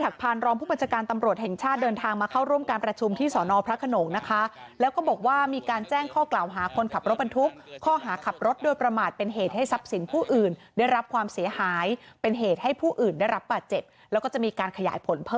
ก็ว่ารีบริการนามรับนามรับข่าวที่เข้ามา